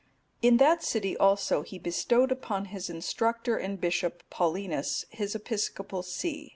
In that city also he bestowed upon his instructor and bishop, Paulinus, his episcopal see.